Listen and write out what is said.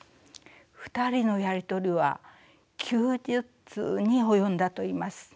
２人のやり取りは９０通に及んだといいます。